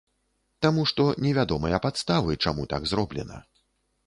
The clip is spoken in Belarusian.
Таму што невядомыя падставы, чаму так зроблена.